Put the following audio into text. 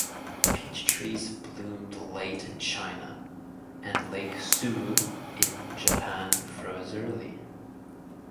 Peach trees bloomed late in China, and Lake Suwa in Japan froze early.